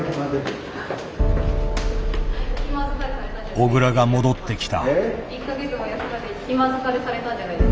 小倉が戻ってきた。